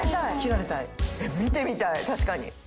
見てみたい確かに。